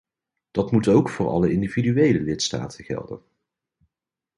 Dat moet ook voor alle individuele lidstaten gelden.